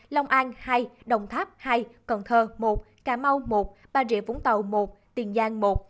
long an hai đồng tháp hai cần thơ một cà mau một bà rịa vũng tàu một tiền giang một